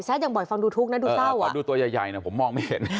อย่างบ่อยฟังดูทุกข์นะดูเศร้าอ่ะดูตัวใหญ่ใหญ่นะผมมองไม่เห็น